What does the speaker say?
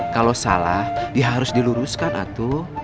kalau salah ya harus diluruskan atu